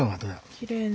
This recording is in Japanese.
きれいね。